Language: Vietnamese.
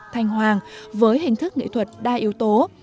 thanh hoàng với hình thức nghệ thuật đa yếu tố